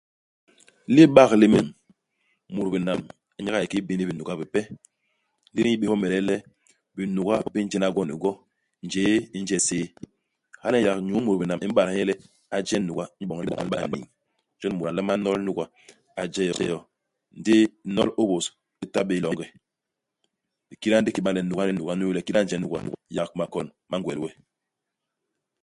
I libak lini, mut binam nyek a yé kiki bini binuga bipe, ndi di n'yi bés bomede le binuga gwok bi njena gwonigwo. Njéé i nje hiséé. Hala nyen yak nyuu mut binam i m'bat nye le a je nuga inyu iboñ le a ba i niñ. Jon mut a nlama nol nuga, a je yo. Ndi nol u ôbôs u ta bé longe. Di kida ndigi ki bañ le nuga ni nuga inyu le u lôôha je nuga, yak makon ma ngwel we.